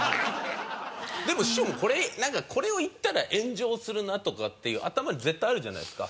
でも師匠もこれを言ったら炎上するなとかっていう頭に絶対あるじゃないですか。